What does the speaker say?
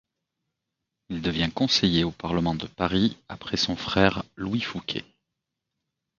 Il devient conseiller au parlement de Paris après son frère Louis Fouquet.